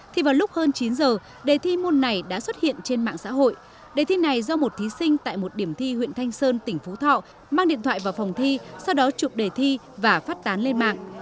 thì vào lúc hơn chín giờ đề thi môn này đã xuất hiện trên mạng xã hội đề thi này do một thí sinh tại một điểm thi huyện thanh sơn tỉnh phú thọ mang điện thoại vào phòng thi sau đó chụp đề thi và phát tán lên mạng